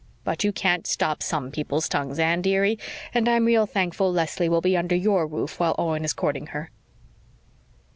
But you can't stop some people's tongues, Anne, dearie, and I'm real thankful Leslie will be under your roof while Owen is courting her."